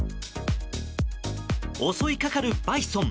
襲いかかるバイソン。